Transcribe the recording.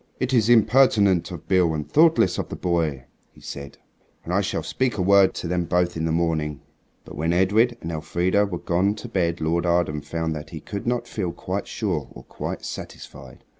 "It is impertinent of Beale and thoughtless of the boy," he said; "and I shall speak a word to them both in the morning." But when Edred and Elfrida were gone to bed Lord Arden found that he could not feel quite sure or quite satisfied.